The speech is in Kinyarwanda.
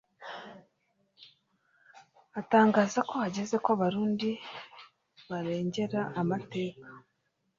atangaza ko hageze ko abarundi barengera amateka